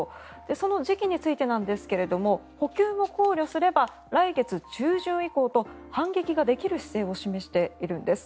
その時期についてなんですが補給も考慮すれば来月中旬以降と反撃ができる姿勢を示しているんです。